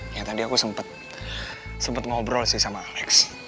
ya tadi aku sempet sempet ngobrol sih sama alex